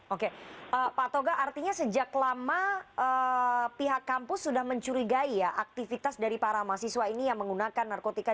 oke pak toga artinya sejak lama pihak kampus sudah mencurigai ya aktivitas dari para mahasiswa ini yang menggunakan narkotika